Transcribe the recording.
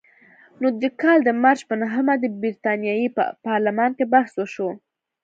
نو د کال د مارچ په نهمه د برتانیې په پارلمان کې بحث وشو.